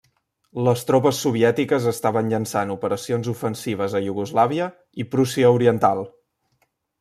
Les tropes soviètiques estaven llançant operacions ofensives a Iugoslàvia i Prússia Oriental.